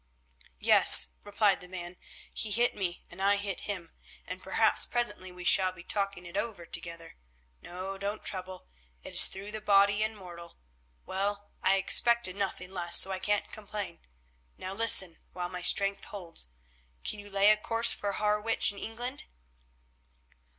"Yes," replied the man, "he hit me and I hit him, and perhaps presently we shall be talking it over together. No, don't trouble, it is through the body and mortal. Well, I expected nothing less, so I can't complain. Now, listen, while my strength holds. Can you lay a course for Harwich in England?"